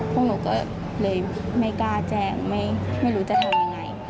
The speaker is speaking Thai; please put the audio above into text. พวกหนูก็เลยไม่กล้าแจ้งไม่รู้จะโทรยังไง